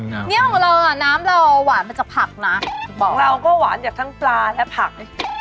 นี่ของเราน้ำเราเอาหวานมาจากผักน่ะเราก็หวานจากทั้งปลาและผัก